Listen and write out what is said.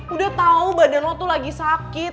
udah tahu badan lo tuh lagi sakit